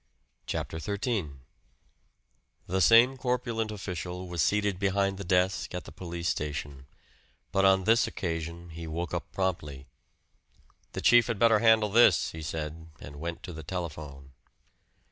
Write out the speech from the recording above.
CHAPTER XIII The same corpulent official was seated behind the desk at the police station; but on this occasion he woke up promptly. "The chief had better handle this," he said, and went to the telephone.